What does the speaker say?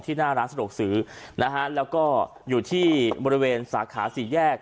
หน้าร้านสะดวกซื้อนะฮะแล้วก็อยู่ที่บริเวณสาขาสี่แยก